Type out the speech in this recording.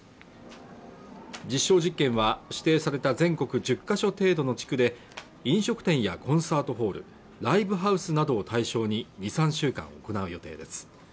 実証実験は指定された全国１０か所程度の地区で飲食店やコンサートホールライブハウスなどを対象に２３週間行う予定です